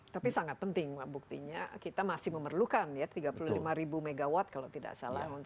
tapi sangat penting buktinya kita masih memerlukan ya tiga puluh lima ribu megawatt kalau tidak salah